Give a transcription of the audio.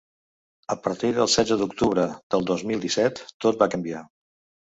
A partir del setze d’octubre del dos mil disset, tot va canviar.